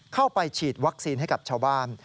เข้าไปฉีดวัคซีนให้กับชาวบ้าน